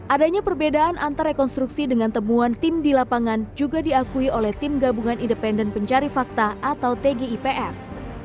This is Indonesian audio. adanya perbedaan antar rekonstruksi dengan temuan tim di lapangan juga diakui oleh tim gabungan independen pencari fakta atau tgipf